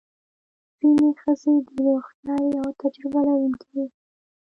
ځینې ښځې ډېرې هوښیارې او تجربه لرونکې وې.